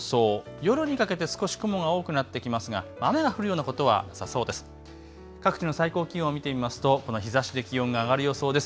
夜にかけて少し雲が多くなってきますが雨が降るようなことはなさそうです。